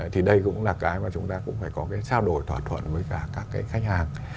thì đây cũng là cái mà chúng ta cũng phải có cái trao đổi thỏa thuận với cả các cái khách hàng